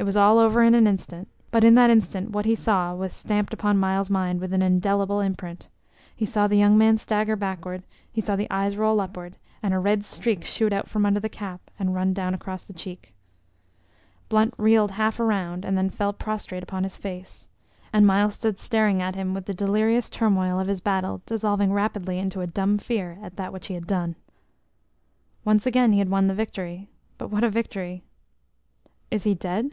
It was all over in an instant, but in that instant what he saw was stamped upon Myles's mind with an indelible imprint. He saw the young man stagger backward; he saw the eyes roll upward; and a red streak shoot out from under the cap and run down across the cheek. Blunt reeled half around, and then fell prostrate upon his face; and Myles stood staring at him with the delirious turmoil of his battle dissolving rapidly into a dumb fear at that which he had done. Once again he had won the victory but what a victory! "Is he dead?"